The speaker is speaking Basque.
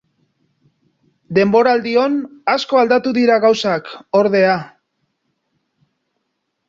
Denboraldion asko aldatu dira gauzak, ordea.